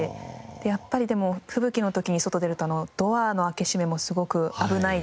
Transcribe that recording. やっぱりでも吹雪の時に外出るとドアの開け閉めもすごく危ないですね。